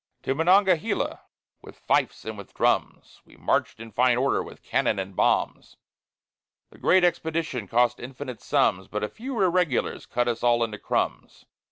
To Monongahela, with fifes and with drums, We marched in fine order, with cannon and bombs; That great expedition cost infinite sums, But a few irregulars cut us all into crumbs.